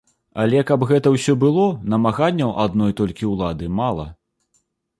Але, каб гэта ўсё было, намаганняў адной толькі ўлады мала.